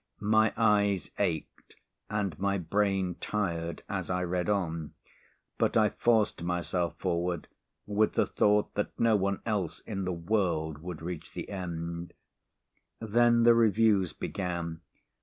My eyes ached and my brain tired as I read on, but I forced myself forward with the thought that no one else in the world would reach the end. Then the reviews began.